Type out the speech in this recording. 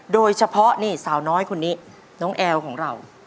โดยเฉพาะนี่สาวน้อยคนนี้น้องแอลของเรา